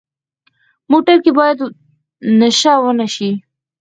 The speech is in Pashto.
موټر کې باید نشه ونه شي.